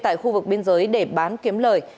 tại khu vực biên giới để bán kiếm lời